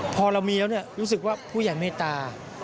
พอเรามีแล้วรู้สึกว่าผู้ใหญ่เมตตา